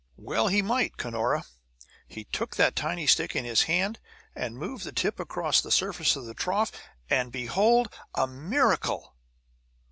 "Well he might! Cunora, he took that tiny stick in his hand and moved the tip along the surface of the trough; and, behold, a miracle!"